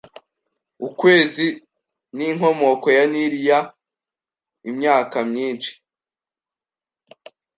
ukwezi n'inkomoko ya Nili year imyaka myinshi